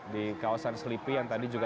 di kawasan selipi yang tadi juga